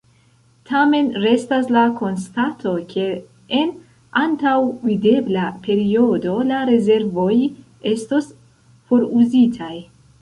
Tamen, restas la konstato ke en antaŭvidebla periodo la rezervoj estos foruzitaj.